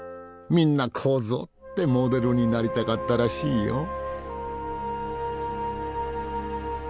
みんなこぞってモデルになりたがったらしいよ。